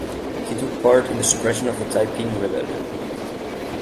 He took part in the suppression of the Taiping Rebellion.